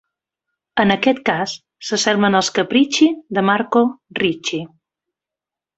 En aquest cas s'assemblen als capricci de Marco Ricci.